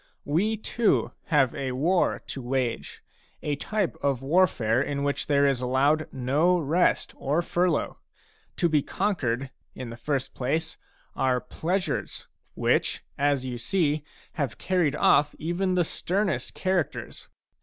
We too have a war to wage, a type of warfare in which there is allowed no rest or furlough. To be conquered, in the first place, are pleasures, which, as you see, have carried ofF even the sternest char acters.